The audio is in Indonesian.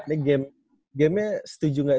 ini gamenya setuju nggak